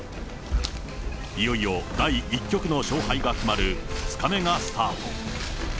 いよいよ第１局の勝敗が決まる２日目がスタート。